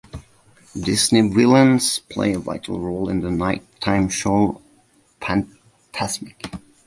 Disney villains play a vital role in the night time show Fantasmic!